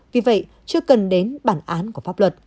vì vậy chưa cần đến bản án của pháp luật